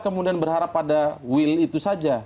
kemudian berharap pada will itu saja